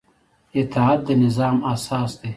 اطاعت د نظام اساس دی